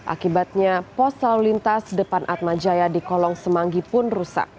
akibatnya pos selalu lintas depan atma jaya di kolong semanggi pun rusak